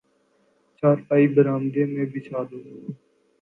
چارپائی برآمدہ میں بچھا دو